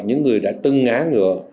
những người đã từng ngã ngựa